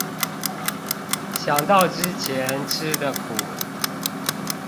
想到之前吃的苦